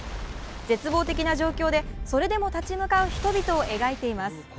絶望的な状況で、それでも立ち向かう人々を描いています。